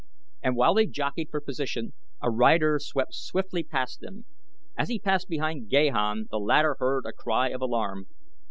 And while they jockeyed for position a rider swept swiftly past them. As he passed behind Gahan the latter heard a cry of alarm.